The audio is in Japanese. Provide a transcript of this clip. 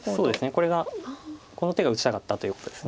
これがこの手が打ちたかったということです。